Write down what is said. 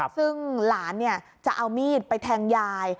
ซึ่งหลานจะเอามีดไปแทงยาย